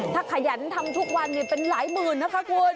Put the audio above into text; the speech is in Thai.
ถ้าขยันทำทุกวันเป็นหลายหมื่นนะคะคุณ